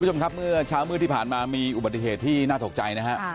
คุณผู้ชมครับเมื่อเช้ามืดที่ผ่านมามีอุบัติเหตุที่น่าตกใจนะฮะ